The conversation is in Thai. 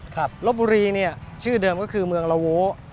ลบบุรีเนี่ยชื่อเดิมก็คือเมืองละโว้